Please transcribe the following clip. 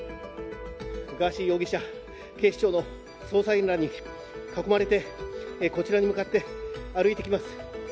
警視庁の捜査員らに囲まれてこちらに向かって歩いてきます。